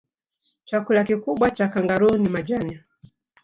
chakula kikubwa cha kangaroo ni majani